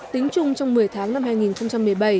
tính chung trong một mươi tháng năm hai nghìn một mươi bảy